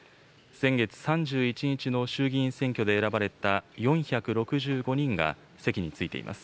先月３１日の衆議院選挙で選ばれた４６５人が席に着いています。